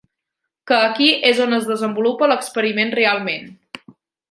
Que aquí és on es desenvolupa l'experiment realment.